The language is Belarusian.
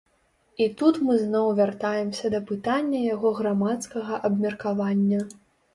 І тут мы зноў вяртаемся да пытання яго грамадскага абмеркавання.